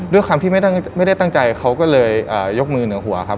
ด้วยความที่ไม่ได้ตั้งใจเขาก็เลยยกมือเหนือหัวครับ